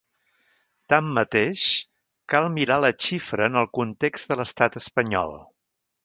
Tanmateix, cal mirar la xifra en el context de l’estat espanyol.